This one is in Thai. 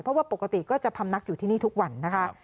เพราะว่าปกติก็จะพำนักอยู่ที่นี่ทุกวันนะคะ